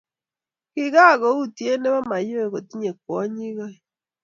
Kikakoutye nebo mayowe kotinye kwonyik oeng